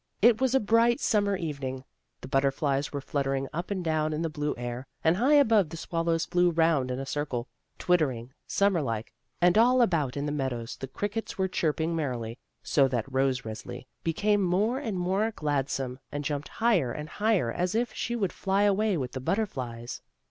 It was a bright Summer evening. The butterflies were fluttering up and down in the blue air and high above the swallows flew round in a circle, twittering, summer like, and all about in the meadows the crickets were chirping merrily, so that Rose Resli became more and more gladsome and jumped higher and higher as if she would fly away with the butterflies.